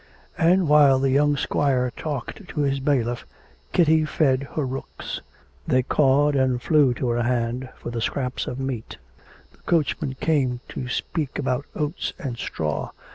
And while the young squire talked to his bailiff Kitty fed her rooks. They cawed, and flew to her hand for the scraps of meat. The coachman came to speak about oats and straw.